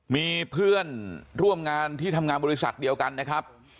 มีเพื่อนร่วมงานที่ทำงานบริษัทเดียวกันนะครับ